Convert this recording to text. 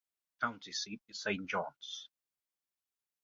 The county seat is Saint Johns.